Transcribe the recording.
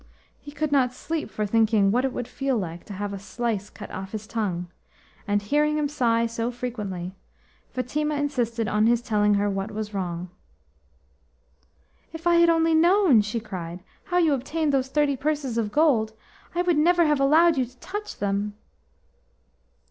He could not sleep for thinking what it would feel like to have a slice cut off his tongue, and, hearing him sigh so frequently, Fatima insisted on his telling her what was wrong. "If I had only known," she cried, "how you obtained those thirty purses of gold, I would never have allowed you to touch them."